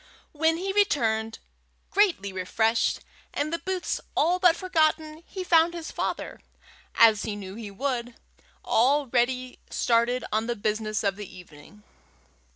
When he returned, greatly refreshed, and the boots all but forgotten, he found his father, as he knew he would, already started on the business of the evening.